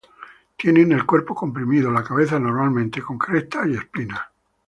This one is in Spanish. Tienen el cuerpo comprimido, la cabeza normalmente con crestas y espinas.